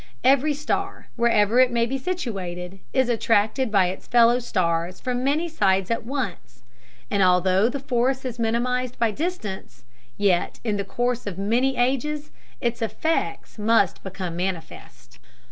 Every star, wherever it may be situated, is attracted by its fellow stars from many sides at once, and although the force is minimized by distance, yet in the course of many ages its effects must become manifest.